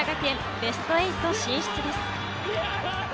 ベスト８進出です。